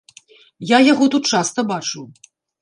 Я яго тут часта бачыў.